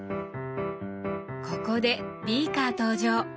ここでビーカー登場！